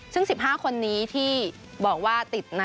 ซึ่ง๑๕คนนี้ที่บอกว่าติด